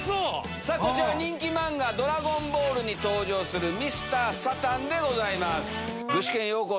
さあ、こちら、人気漫画、、ドラゴンボールに登場するミスター・サタンでございます。